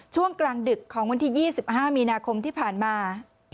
ช่วงกลางดึกของวันที่๒๕มีนาคมที่ผ่านมา